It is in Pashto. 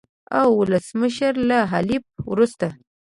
او ولسمشر له تحلیف وروسته